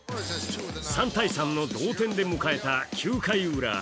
３−３の同点で迎えた９回ウラ。